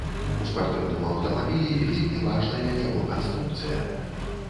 У спартыўным аўтамабілі вельмі важная яго канструкцыя.